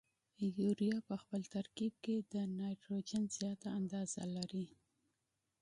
یوریا په خپل ترکیب کې د نایتروجن زیاته اندازه لري.